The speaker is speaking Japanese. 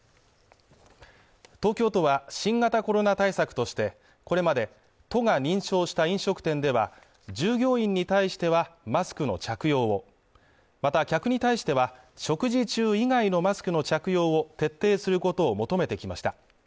東京都は新型コロナ対策としてこれまで都が認証した飲食店では従業員に対してはマスクの着用をまた客に対しては食事中以外のマスクの着用を徹底することを求めてきました